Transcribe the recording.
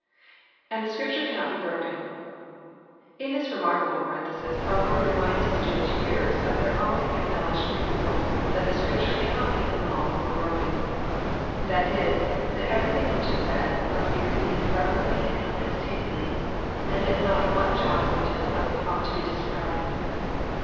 {^And the Scripture cannot he 'broken.'] In this remarkable pa renthesis our Lord reminds His Jewish hearers of their own ac knowledged principle, that the *' Scripture cannot be annulled or broken:" that is, that everything which it says must be re ceived r^vercntly and unhesitatingly, and that not one Jot or tittle of it ought to be disregarded.